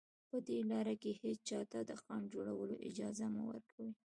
په دې لاره کې هېچا ته د خنډ جوړولو اجازه مه ورکوئ